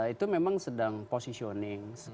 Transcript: itu memang sedang positioning